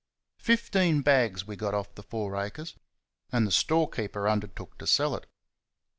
Fifteen bags we got off the four acres, and the storekeeper undertook to sell it.